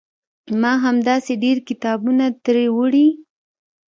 ما داسې ډېر کتابونه ترې وړي.